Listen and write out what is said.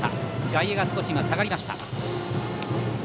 外野が少し下がりました。